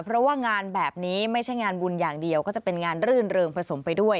เพราะว่างานแบบนี้ไม่ใช่งานบุญอย่างเดียวก็จะเป็นงานรื่นเริงผสมไปด้วย